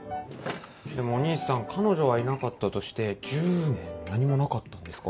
でもお義兄さん彼女はいなかったとして１０年何もなかったんですか？